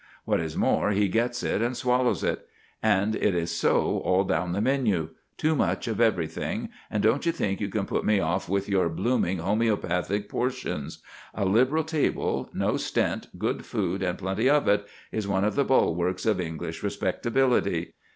What is more, he gets it and swallows it. And it is so all down the menu too much of everything, and don't you think you can put me off with your blooming homoeopathic portions. A liberal table, no stint, good food, and plenty of it, is one of the bulwarks of English respectability.